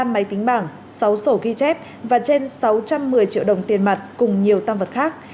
năm máy tính bảng sáu sổ ghi chép và trên sáu trăm một mươi triệu đồng tiền mặt cùng nhiều tam vật khác